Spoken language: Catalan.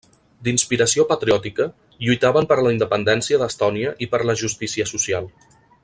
D'inspiració patriòtica, lluitaven per la independència d'Estònia i per la justícia social.